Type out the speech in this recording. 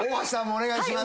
お願いします！